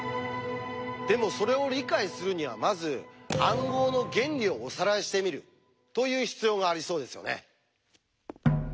でもそれを理解するにはまず暗号の原理をおさらいしてみるという必要がありそうですよね。